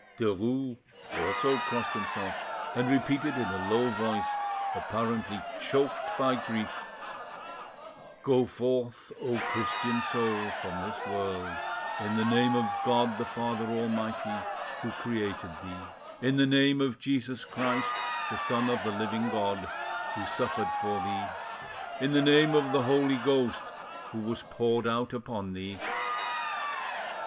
Derues also crossed himself, and repeated in a low voice, apparently choked by grief "Go forth, O Christian soul, from this world, in the name of God the Father Almighty, who created thee; in the name of Jesus Christ, the Son of the living God, who suffered for thee; in the name of the Holy Ghost, who was poured out upon thee."